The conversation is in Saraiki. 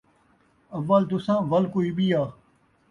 اول تساں، ول کئی ٻیا